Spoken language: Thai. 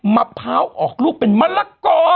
มะพร้าวออกลูกเป็นมะละกอ